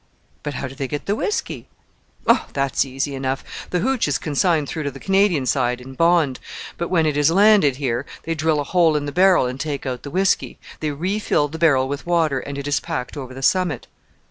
"But how do they get the whisky?" "Oh, that's easy enough. The hootch is consigned through to the Canadian side in bond; but when it is landed here they drill a hole in the barrel and take out the whisky. They refill the barrel with water, and it is packed over the summit."